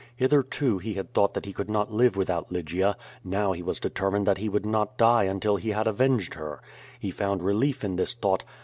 Hitherto he had thought that he could not live without Lygia. Now he was determined that he would not die until he had avenged her. He found relief in this thought.